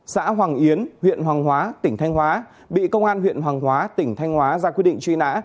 xã hoàng yến huyện hoàng hóa tỉnh thanh hóa bị công an huyện hoàng hóa tỉnh thanh hóa ra quyết định truy nã